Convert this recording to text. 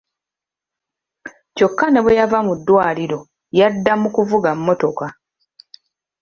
Kyokka ne bwe yava mu ddwaliro, yaddamu okuvuga mmotoka.